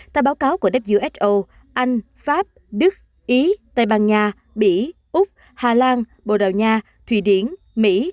theo báo cáo của who anh pháp đức ý tây ban nha bỉ úc hà lan bồ đào nha thụy điển mỹ